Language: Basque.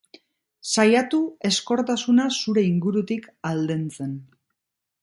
Saiatu ezkortasuna zure ingurutik aldentzen.